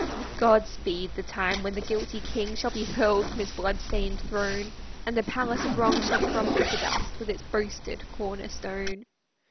God speed the time when the guilty king Shall be hurled from his blood stained throne; And the palace of Wrong shall crumble to dust, With its boasted corner stone.